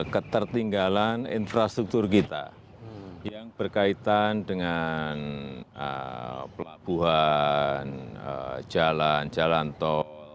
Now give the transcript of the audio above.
ketertinggalan infrastruktur kita yang berkaitan dengan pelabuhan jalan jalan tol